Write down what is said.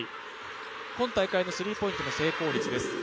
今大会のスリーポイントの成功率です。